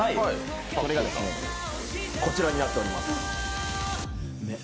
それがこちらになっております。